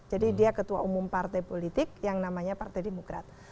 jadi dia ketua umum partai politik yang namanya partai demokrat